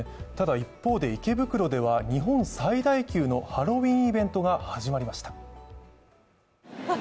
ただ一方で池袋では、日本最大級のハロウィーンイベントが始まりました。